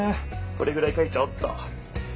これぐらい書いちゃおうっと。